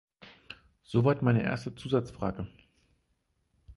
Soweit meine erste Zusatzfrage.